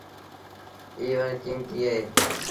ايٚ وڻ ڪيٚمتيٚ اهي۔